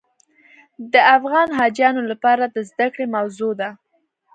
د افغان حاجیانو لپاره د زده کړې موضوع ده.